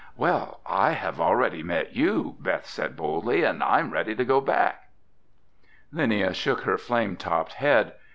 "Well, I have already met you," Beth said boldly, "and I'm ready to go back!" Linnia shook her flame topped head.